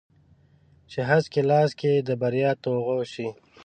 چې هسک یې لاس کې د بریا توغ شي